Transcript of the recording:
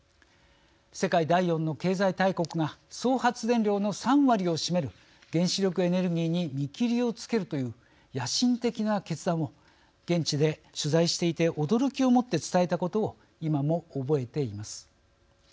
世界第４の経済大国が総発電量の３割を占める原子力エネルギーに見切りをつけるという野心的な決断を現地で取材していて驚きをもって伝えたことを今も覚えています。